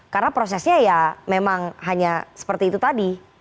karena prosesnya ya memang hanya seperti itu tadi